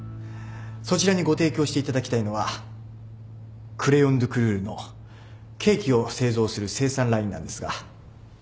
そちらにご提供していただきたいのはＣｒａｙｏｎＤｅＣＯＵＬＥＵＲのケーキを製造する生産ラインなんですが。